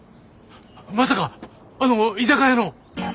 まさかあの居酒屋の？